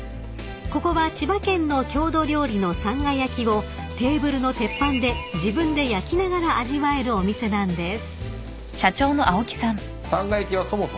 ［ここは千葉県の郷土料理のさんが焼きをテーブルの鉄板で自分で焼きながら味わえるお店なんです］